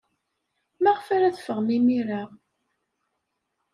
Maɣef ara teffɣem imir-a?